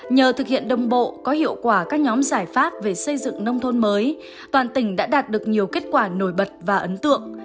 nhờ thực hiện đồng bộ có hiệu quả các nhóm giải pháp về xây dựng nông thôn mới toàn tỉnh đã đạt được nhiều kết quả nổi bật và ấn tượng